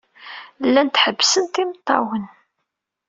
Llant ḥebbsent imeṭṭawen.